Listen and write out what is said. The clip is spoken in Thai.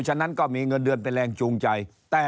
ฉะนั้นก็มีเงินเดือนเป็นแรงจูงใจ